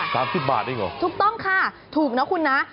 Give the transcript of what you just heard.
๓๐บาทอีกเหรอถูกต้องค่ะถูกนะคุณนะ